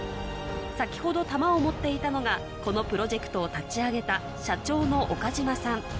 先ほど玉を持っていたのがこのプロジェクトを立ち上げた社長の岡島さん